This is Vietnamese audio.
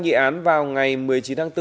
nghị án vào ngày một mươi chín tháng bốn